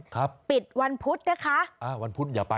ครับครับ